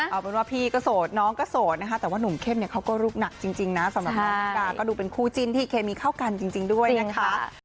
เอาเป็นว่าพี่ก็โสดน้องก็โสดนะคะแต่ว่าหนุ่มเข้มเนี่ยเขาก็ลูกหนักจริงนะสำหรับน้องนิกาก็ดูเป็นคู่จิ้นที่เคมีเข้ากันจริงด้วยนะคะ